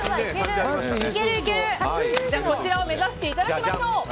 こちらを目指していただきましょう。